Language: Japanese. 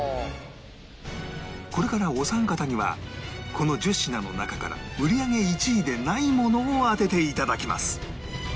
これからお三方にはこの１０品の中から売り上げ１位でないものを当てて頂きます